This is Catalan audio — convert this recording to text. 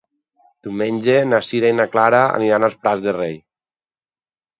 Diumenge na Sira i na Clara aniran als Prats de Rei.